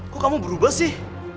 kok kamu berubah sih